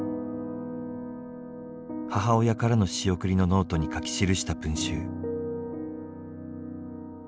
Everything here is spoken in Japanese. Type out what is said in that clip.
母親からの仕送りのノートに書き記した文集。